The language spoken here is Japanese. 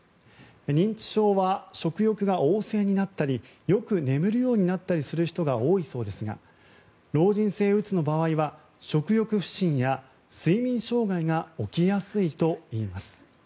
認知症は、食欲が旺盛になったりよく眠るようになったりする人が多いそうですが老人性うつの場合は食欲不振や睡眠障害が起きやすいといいます。